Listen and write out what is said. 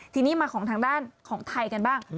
ทีนี้มาของทางด้านของไทยกันบ้าง